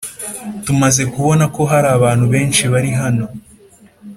Tumaze kubona ko hariho abantu benshi bari hano